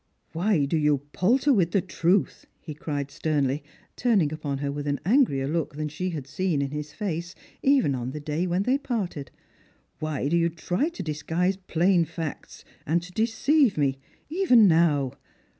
" Why do you palter with the truth ?" he cried sternly, turn ing upon her with an angrier look than she had seen in his face, even on the day when they parted. " "VVhy do you try to disguise plain facts, and to deceive me, even now